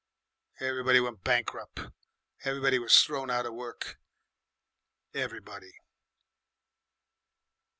Everybody went bankrup'. Everybody was thrown out of work. Everybody!"